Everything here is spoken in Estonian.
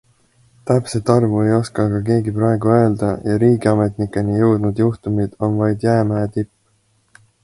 Täpset arvu ei oska aga keegi praegu öelda ja riigiametnikeni jõudnud juhtumid on vaid jäämäe tipp.